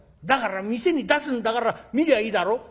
「だから店に出すんだから見りゃいいだろ」。